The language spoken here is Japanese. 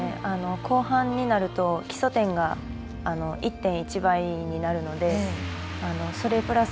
後半になると基礎点が１．１倍になるのでそれプラス